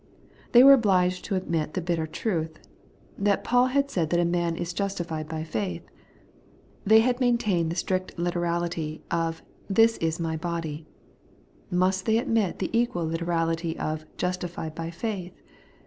They were obliged to admit the bitter truth, that Paul had said that a man is justified by faith. They had maintained the strict literality of ' This is my body ;' must they admit the equal literality of ' justified by faith